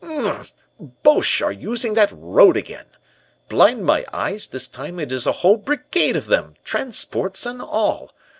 Those Boches are using that road again. Blind my eyes, this time it is a whole Brigade of them, transports and all.